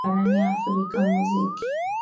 hasa barani afrika muziki